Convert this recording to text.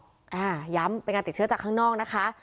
จากข้างนอกย้ำเป็นงานติดเชื้อจากข้างนอกนะคะ